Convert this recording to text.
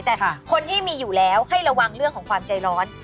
แต่คนที่มีอยู่แล้วให้ระวังเรื่องของความใจร้อน